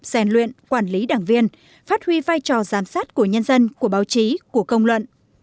rèn luyện quản lý đảng viên phát huy vai trò giám sát của nhân dân của báo chí của công luận